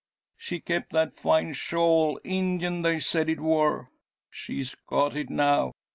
She kept that fine shawl, Indian they said it wor. She's got it now.